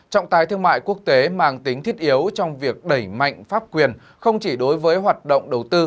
trọng tài thương mại quốc tế mang tính thiết yếu trong việc đẩy mạnh pháp quyền không chỉ đối với hoạt động đầu tư